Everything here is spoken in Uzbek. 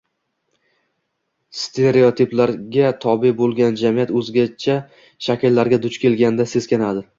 Stereotiplarga tobe bo‘lgan jamiyat o‘zgacha shakllarga duch kelganda seskanadi